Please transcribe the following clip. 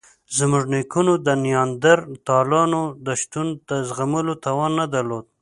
زموږ نیکونو د نیاندرتالانو د شتون د زغملو توان نه درلود.